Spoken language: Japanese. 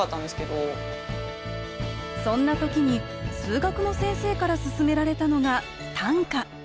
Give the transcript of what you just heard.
そんな時に数学の先生から薦められたのが短歌。